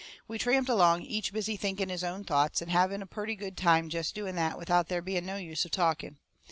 We tramped along, each busy thinking his own thoughts, and having a purty good time jest doing that without there being no use of talking.